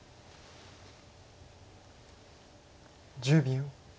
１０秒。